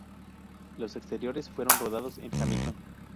Los exteriores fueron rodados en Hamilton.